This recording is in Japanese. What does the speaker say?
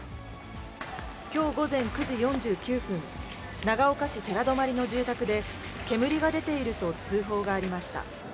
きょう午前９時４９分、長岡市寺泊の住宅で、煙が出ていると通報がありました。